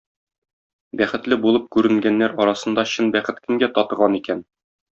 Бәхетле булып күренгәннәр арасында чын бәхет кемгә татыган икән?